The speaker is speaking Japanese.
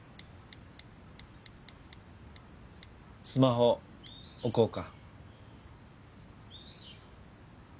スマホ置こうか。